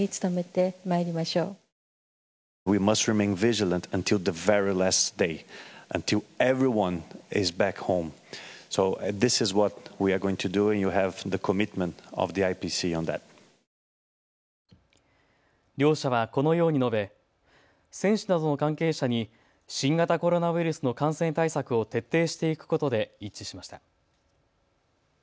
そのうえで。両者はこのように述べ選手などの関係者に新型コロナウイルスの感染対策を徹底していくことで一致しました。